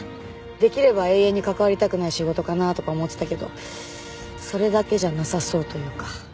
できれば永遠に関わりたくない仕事かなとか思ってたけどそれだけじゃなさそうというか。